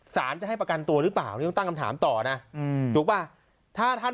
สารจะให้ประกันตัวหรือเปล่านี่ต้องตั้งคำถามต่อนะถูกป่ะถ้าท่าน